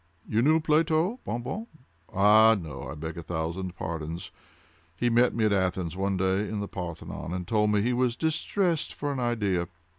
You knew Plato, Bon Bon?—ah, no, I beg a thousand pardons. He met me at Athens, one day, in the Parthenon, and told me he was distressed for an idea.